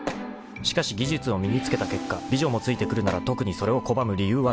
［しかし技術を身に付けた結果美女もついてくるなら特にそれを拒む理由はない］